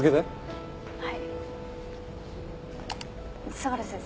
相良先生。